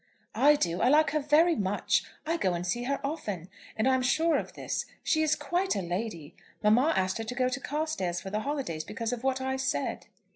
"I do. I like her very much. I go and see her often; and I'm sure of this; she is quite a lady. Mamma asked her to go to Carstairs for the holidays because of what I said."